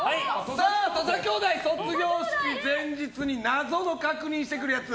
土佐兄弟、卒業式前日に謎の確認してくるやつ。